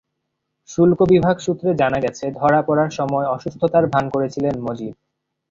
শুল্ক বিভাগ সূত্রে জানা গেছে, ধরা পড়ার সময় অসুস্থতার ভান করেছিলেন মজিব।